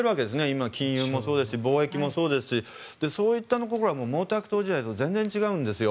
今、金融もそうですし貿易もそうですしそういったところは毛沢東時代と全然違うんですよ。